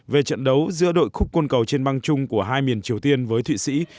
về trận đấu giữa đội khúc quân cầu trên băng chung của hai miền triều tiên với thụy sĩ